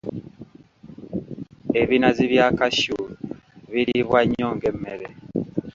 Ebinazi bya cashew biriibwa nnyo ng'emmere.